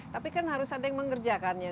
tapi kan harus ada yang mengerjakannya